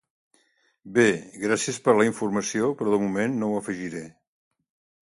Bé, gràcies per la informació però de moment no ho afegiré.